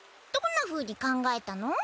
どんなふうに考えたの？